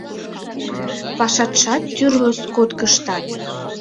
Пашаштат, тӱрлӧ скодкыштат.